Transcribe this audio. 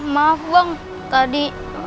maaf bang tadi